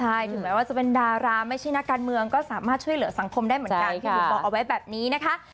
ใช่ถึงแม้ว่าจะเป็นดาราไม่ใช่นักการเมืองก็สามารถช่วยเหลือสังคมได้เหมือนกันพี่บุ๋มบอกเอาไว้แบบนี้นะคะ